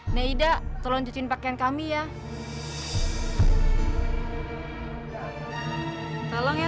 neda tolong cuciin pakaian kami ya